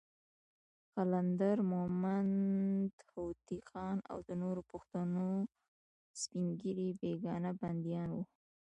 قلندر مومند، هوتي خان، او د نورو پښتنو سپین ږیري بېګناه بندیان وو.